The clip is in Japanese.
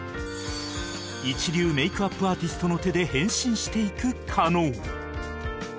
一流メイクアップアーティストの手で変身していく加納